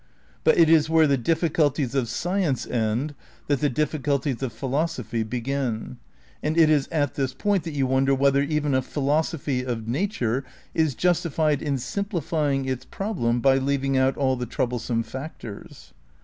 But it is where the difficulties of science end that the difficulties of philosophy begin ; and if is at this point that you wonder whether even a philos ophy of nature is justified in simplifying its problem by leaving out all the troublesome factors.